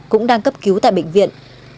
cũng đang cấp cứu tại bệnh viện